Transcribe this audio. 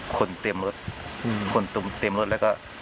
คนเต็มรถคนเต็มรถแล้วก็